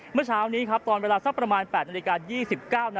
เมื่อเช้านี้ตอนเวลาซักประมาณ๘น๒๙น